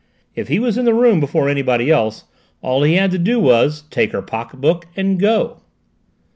If he was in the room before anybody else, all he had to do was, take the pocket book and go!"